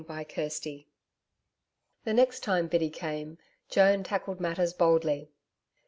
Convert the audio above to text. CHAPTER 14 The next time Biddy came, Joan tackled matters boldly.